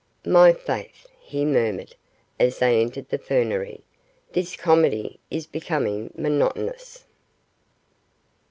'My faith!' he murmured, as they entered the fernery; 'this comedy is becoming monotonous.